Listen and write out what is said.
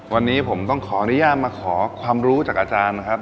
วันนี้ผมต้องขออนุญาตมาขอความรู้จากอาจารย์นะครับ